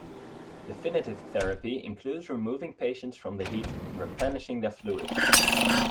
Definitive therapy includes removing patients from the heat and replenishing their fluids.